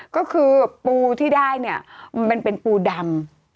ก็คือปูที่ได้เนี่ยมันเป็นปูดำ